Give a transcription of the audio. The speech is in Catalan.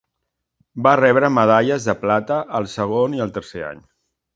Va rebre medalles de plata el segon i el tercer any.